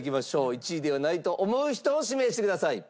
１位ではないと思う人を指名してください。